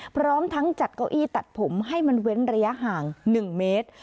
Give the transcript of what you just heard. พร้อมทั้งจัดเก้าอี้ตัดผมให้มันเว้นระยะห่าง๑เมตร